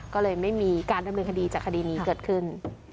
ก็เลยไม่มีการดำเนินคดีจากคดีนี้เกิดขึ้น